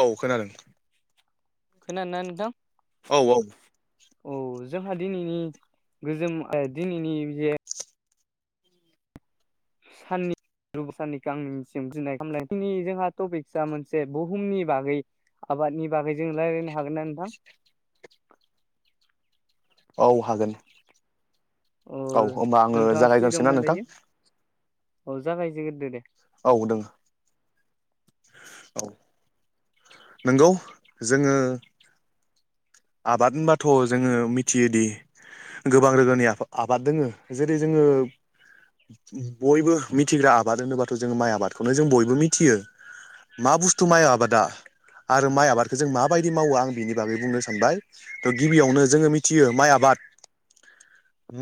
औ खोनादों। खोनादोना नोंथां। औ -औ। औ जोंहा दिनैनि गोजोम ओ दिनैनि जे साननि गुबुन साननिखौ आंनिसिम गिनाय खालाम दिनै जोंहा टपिकआ मोनसे बुहुमनि बागै आबादनि बागै जोङो रायलायनो हागोन ना नोंथां। औ हागोन। अ औ होमबा आङो जागायग्रसै ना नोंथां। अ जागायगोरदो दे। औ दोङो। औ नोंगौ जोङो आबाद होनबाथ' जोङो मिथियोदि गोबां रोखोमनि आबाद दोङो जेरै जोङो बयबो मिथिग्रा आबाद होनोबाथ' जों माइ आबादखौनो जों बयबो मिथियो। मा बुस्थु माइ आबादा आरो माइ आबादखौ जों माबायदि मावो आं बिनि बागै बुंनो सा सानबाय थ' गिबियावनो जोङो मिथियो माइ आबाद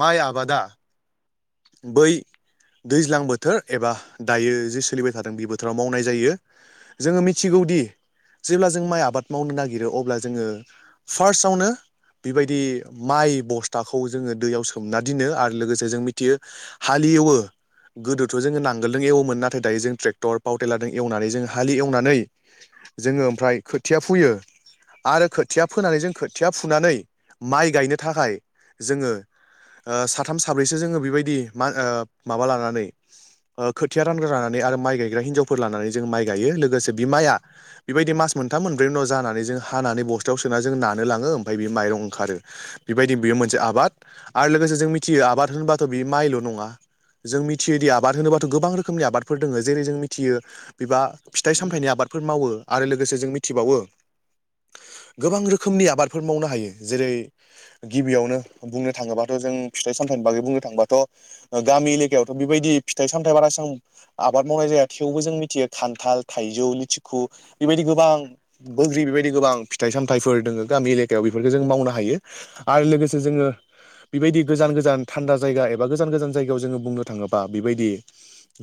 माइ आबादा बै दैज्लां बोथोर एबा दायो जे सोलिबाय थादों बे बोथोराव मावनाय जायो। जोङो मिथिगौदि जेब्ला जों माइ आबाद मावनो नागिरो अब्ला जोङो फार्स्टआवनो बेबायदि माइ बस्थाखौ जोङो दैयाव सोमना दोननो आरो लोगोसे जों मि थियो हाली एवो। गोदोथ' जोङो नांगोलजों एवोमोन नाथाय दायो जों ट्रेक्टर पावटेलारजों एवनानै जोंङ हालि एवनानै जोङो ओमफ्राय खोथिया फुयो। आरो खोथिया फोनानै जों खोथिया फुनानै माइ गायनो थाखाय जोङो ओ साथाम साब्रैसो जोङो बेबायदि मा ओ माबा लानानै ओ खोथिया रानग्रा लानानै आरो माइ गायग्रा हिन्जावफोर लानानै जों माइ गायो लोगोसे बि माइआ बेबायदि मास मोनथाम मोनब्रै उनाव जानानै जों हानानै बस्थायाव सोना जों नानो लाङो ओमफ्राय बे माइरं ओंखारो। बेबायदि बेयो मोनसे आबाद आरो लोगोसे जों मिथियो आबाद होनबाथ' बियो माइल' नङा जों मिथियोदि आबाद होनोबाथ' गोबां रोखोमनि आबादफोर दोङो जेरै जों मिथियो बिबा फिथाइ सामथायाइनि आबादफोर मावो आरो लोगोसे जों मिथिबावो गोबां रोखोमनि आबादफोर मावनो हायो जेरै गिबियावनो बुंनो थाङोबाथ' जों फिथाइ सामथाइनि बागै बुंनो थांबाथ' गामि एलेकायावथ' बेबायदि फिथाइ सामथाइ बारा एसां आबाद मावनाय जाया थेवबो जों मिथियो खान्थाल थाइजौ लिथिखु बेबायदि गोबां बोग्री बेबायदि गोबां फिथाइ सामथायाइफोर दोङो गामि एलेकायाव बेफोरखो जों मावनो हायो। आरो लोगोसे जोङो बेबायदि गोजान गोजान थान्दा जायगा एबा गोजान गोजान जायगायाव जोङो बुंनो थाङोबा बेबायदि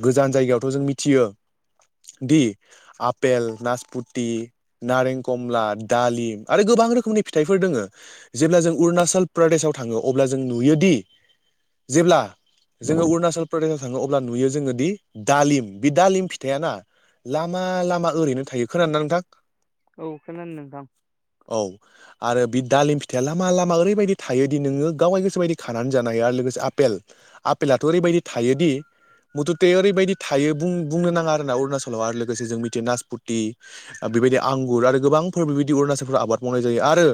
गोजान जायगायावथ' जों मिथियो दि आपेल नासपुती नारें कमला दालिम आरो गोबां रोखोमनि फिथाइफोर दोङो जेब्ला जों अरुणाचल प्रदेशआव थाङो अब्ला जों नुयोदि जेब्ला जोङो अरुणाचल प्रदेशआव थाङो अब्ला नुयो जोङो दि दालिम बे दालिम फिथाया ना लामा लामा ओरैनो थायो खोनादोना नोंथां। औ खोनादों नोंथां। औ। आरो बि दालिम फिथाइया लामा लामा ओरैबायदि थायोदि नोङो गावनि गोसो बायदि खानानै जानो हायो आरो लोगोसे आ पेल आपेलाथ' ओरैबायदि थायोदि मुथुते ओरैबायदि थायो बुं-बुंनो नाङा आरोना अरुणाचलाव आरो लोगोसे जों मिथियो नासपुती बेबायदि आंगुर आरो गोबांफोर बेबायदि अरुणाचलफोराव आबाद मावनाय जायो आरो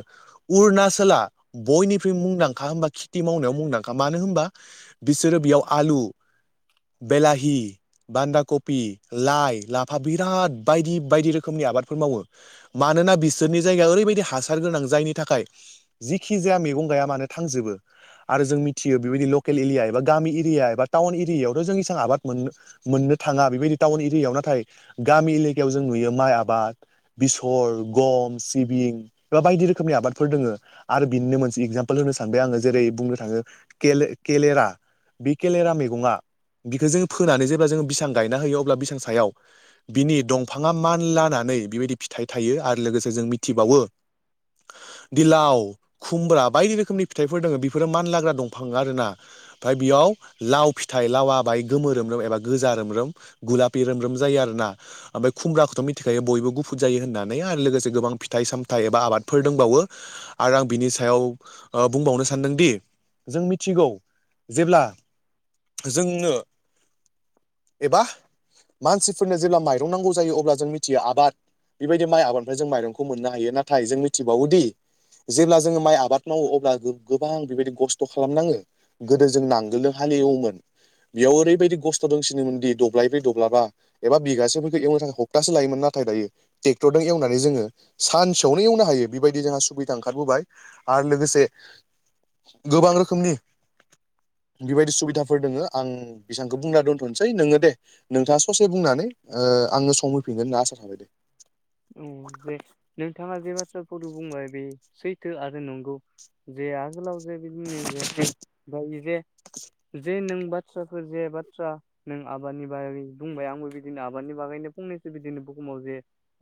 अरुणाचला बयनिख्रुइ मुंदांखा होनबा खेथि मावनायाव मुंदांखा मानो होनबा बिसोरो बेयाव आलु बेलाहि बान्दा कफि लाइ लाफा बिराद बायदि बायदि रोखोमनि आबादफोर मावो। मानोना बिसोरनि जायगाया ओरैबायदि हासार गोनां जायनि थाखाय जिखि जाया मैगं गाया मानो थांजोबो आरो जों मिथियो बेबायदि ल लकेल एलिया एबा गामि एरिया एबा टाउन एरियायावथ जों एसां आबाद मोननो मोननो थाङा बेबायदि टाउन एरियायाव नाथाय गामि एलेकायाव जों नुयो माइ आबाद बेसर गम सिबिं बा बायदि रोखोमनि आबादफोर दोङो। आरो बिनिनो मोनसे एगजामपोल होनो सानबाय आङो जेरै बुंनो थाङो केल-केेलेरा। बे केेलेरा मैगङा बिखौ जों फोनानै जेब्ला जों बिसां गायना होयो अब्ला बिसां सायाव बिनि दंफाङा मान लानानै बेबायदि फिथाइ थायो आरो लोगोसे जों मिथिबावो दिलाव खुमब्रा बायदि रोखोमनि फिथाइफोर दङो बेफोरो मान लाग्रा दंफां आरोना ओमफ्राय बेयाव लाव फिथाइ लावा बाहाय गोम रोम एबा गोजा रोम रोम। गुलापि रोम रोम जायो आरो ना। ओमफ्राय खुमब्राखौथ' मिथिखायो बयबो गुफुर जायो होननानै आरो लोगोसे गोबां फिथाइ सामथाइ एबा आबादफोर दंबावो। आरो आं बिनि सायाव बुंबावनो सानदोंदि जों मिथिगौ जेब्ला जोंनो एबा मानसिफोरनो जेब्ला माइरं नांगौ जायो अब्ला जों मिथियो आबाद बेबायदि माइ आबादनिफ्राय जों माइरंखौ मोननो हायो नाथाय जों मिथिबावोदि जेब्ला जोङो माइ आबाद मावो अब्ला गो-गोबां बेबायदि गस्थ' खालामनाङो। गोदो जों नांगोलजों हालेवोमोन बेयाव ओरैबायदि खस्थ' दंसिनोमोन दि दब्लाय ब्रै दब्लाबा एबा बिगासेफोरखौ एवनो थाखाय हपतासे लायोमोन नाथाय दायो ट्रेक्टरजों एवनानै जोङो सानसेयावनो एवनो हायो बेबायदि जोंहा सुबिदा ओंखारबोबाय। आरो लोगोसे गोबां रोखोमनि बेबायदि सुबिदाफोर दोङो आं बेसेबांखौ बुंना दोन्थ'नोसै नोङो दे नोंथाङा ससे बुंनानै ओ आंनो सम होफिनगोन होनना आसा थाबाय दे। औ जे नोंथाङा जे बाथ्राफोरखौ बुंबाय बे सैथो आरो नंगौ। जे आगोलाव जे बिदिनो जे ओफ्राय इ जे जे नों बाथ्राफोर जे बाथ्रा नों आबादनि बागै बुंबाय आंबो बिदिनो आबादनि बागैनो फंनैसो बिदिनो बुहुमाव जे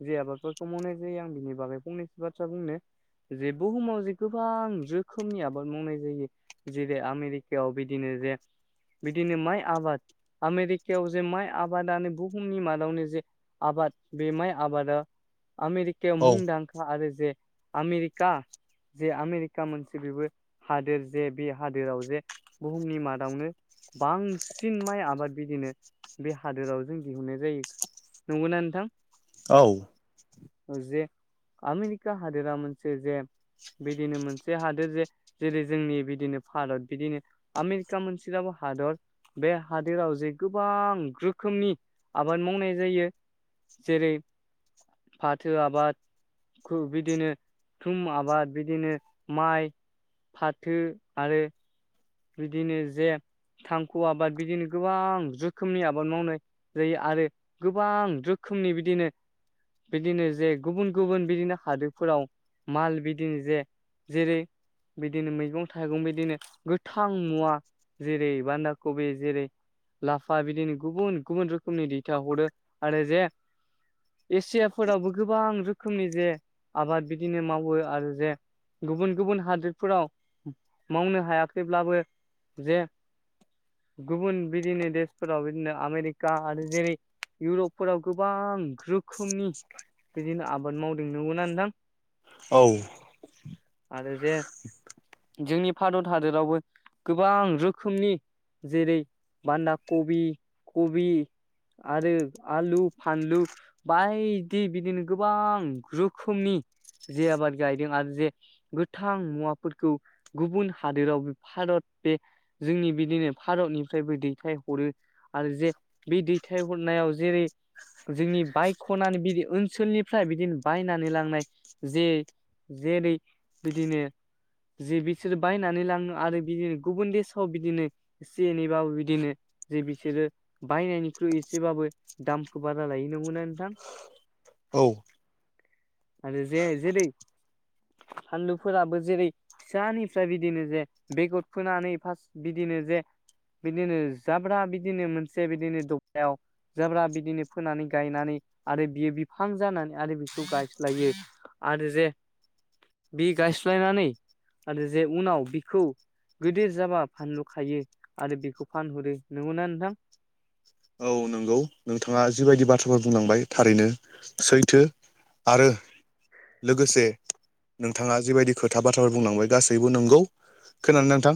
जे आबादफोरखौ मावनाय जायो आं बिनि बागै फंनैसो बाथ्रा बुंनो जे बुहुमाव जे गोबां रोखोमनि आबाद मावनाय जायो। जेरै आमेरिकायाव बिदिनो जे बिदिनो माइ आबाद आमेरिकायाव जे माइ आबादानो बुहुमनि मादावनो जे आबाद बे माइ आबाद आमेरिकायाव औ मुंदांखा आरो जे आमेरिका जे आमेरिका मोनसे बेबो हादोर जे बे हादोराव जे बुहुमनि मादावनो बांसिन माइ आबाद बिदिनो बे हादोराव जों दिहुननाय जायो नोंगौना नोंथां। औ जे आमेरिका हादोरा मोनसे जे बिदिनो मोनसे हादोर जे जेरै जोंनि बिदिनो भारत बिदिनो आमेरिका मोनसेफ्राबो हादर। बे हादोराव जे गोबां रोखोमनि आबाद मावनाय जायो। जेरै फाथो आबाद बिदिनो थुम आबाद बिदिनो माइ फाथो आरो बिदिनो जे थांखु आबाद बिदिनो गोबां रोखोमनि आबाद मावनाय जायो आरो गोबां रोखोमनि बिदिनो बिदिनो जे गुबुन गुबुन बिदिनो हादोरफोराव माल बिदिनो जे जेरै बिदिनो मैगं थाइगं बिदिनो गोथौ थां मुवा जेरै बान्दा कबि जेरै लाफा बिदिनो गुबुन गुबुन रोखोमनि दैथा हरो आरो जे एसियाफोरावबो गोबां रोखोमनि जे आबाद बिदिनो मावो आरो जे गुबुन गुबुन हादोरफोराव मावनो हायाखैब्लाबो जे गुबुन बिदिनो देशफोराव बिदिनो आमेरिका आरो जेरै इउरपफोराव गोबां रोखोमनि बिदिनो आबाद मावदों नंगौना नोंथां? औ आरो जे जोंनि भारत हाद दोरावबो गोबां रोखोमनि जेरै बान्दा कबि कबि आरो आलु फानलु बायदि बिदिनो गोबां रोखोमनि जे आबाद गायदों आरो जे गोथां मुवाफोरखौ गुबुन हादोराव बे भारत बे जोंनि बिदिनो भारतनिफ्रायबो दैथायहरो आरो जे बे दैथाय हरनायाव जेरै जोंनि बायख'नानै बिदि ओनसोलनिफ्राय बिदिनो बायनानै लांनाय जे जेरै बिदिनो जि बिसोर बायनानै लाङो आरो बिदिनो गुबुन देसाव बिदिनो एसे एनैबाबो बिदिनो जे बिसोरो बायनायनिख्रुइ एसेबाबो दामखौ बारा लायो नंगौना नोंथां? औ आरो जे जेरै फानलुफोराबो जेरै फिसानि ओफ्राय बिदिनो जे बेगर फोनानै फार्स्ट बिदिनो जे बिदिनो जाब्रा बिदिनो मोनसे बिदिनो दबथायाव जाब्रा बिदिनो फोनानै गायनानै आरो बियो बिफां जानानै आरो बिखौ गायस्लायो आरो जे बि गायस्लायनानै आरो जे उनाव बिखौ गोदो जाबा फानलु खायो आरो बेखौ फानहरो, नोंगौना नोंथां? औ नोंगौ नोंथाङा जिबायदि बाथ्राफोर बुंलांबाय थारैनो सैथो आरो‌ लोगोसे नोंथाङा जिबायदि खोथा बाथ्राफोर बुंलांबाय गासैबो नोंगौ। खोनादोंना नोंथां?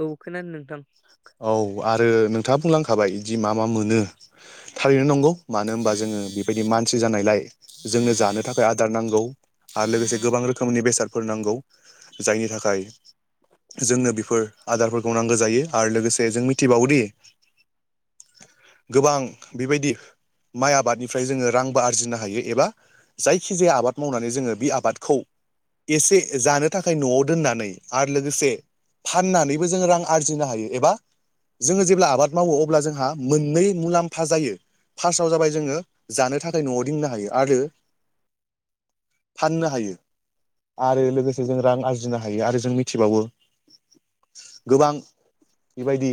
औ खोनादों नोंथां औ आरो नोंथाङा बुंलांखाबाय इदि मा मा मोनो थारैनो नंगौ मानो होनबा जोङो बेबायदि मानसि जानायलाय जोंनो जानो थाखाय आ दार नांगौ आरो लोगोसे गोबां रोखोम नि बेसादफोर नांगौ जायनि थाखाय जोंनो बेफोर आदारफोरखौ नांगो जायो आरो लोगोसे जों मिथिबावोदि गोबां बेबायदि माइ आबादनिफ्राय जोङो रांबो आरजिनो हायो एबा जायखिजाया आबाद मावनानै जोङो बे आबादखौ एसे जानो थाखाय न'आव दोननानै आरो लोगोसे फाननानैबो जों रां आरजिनो हायो। एबा जोङो जेब्ला आबाद मावो अब्ला जोंहा मोननै मुलाम्फा जायो। फार्स्टआव जाबाय जोङो जानो थाखाय न'आव दिननो हायो आरो फाननो हायो आरो लोगोसे जों रां आरजिनो हायो आरो जों मिथिबावो गोबां बेबायदि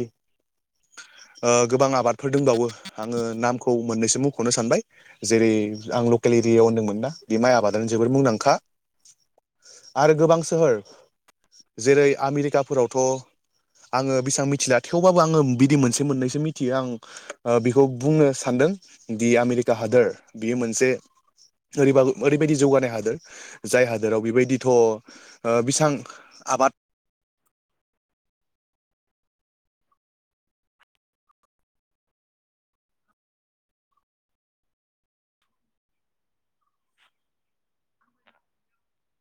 ओ गोबां आबादफोर दोंबावो आङो नामखौ मोननैसो मुंख'नो सानबाय जेरै आं लकेल एरियायाव ओनदोंमोन ना बे माइ आबादानो जोबोर मुंदांखा आरो गोबां सोहोर जेरै आमेरिकाफोरावथ' आङो बेसां मिथिला थेवबाबो आङो बिदि मोनसे मोननैसो मिथियो आं ओ बेखौ बुंनो सानदों दि आमेरिका हादोर बियो मोनसे ओरैबाबो ओरैबायदि जौगानाय हादोर जाय हादोराव बेबायदिथ' ओ बिसां आबाद [inaudible] [unintelligible]